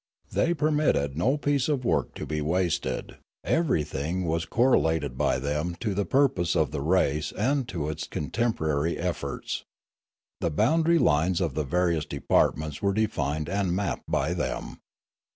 They permitted no piece of work to be wasted; everything was correlated by them to the pur pose of the race and to its contemporary efforts. The boundary lines of the various departments were defined and mapped by them.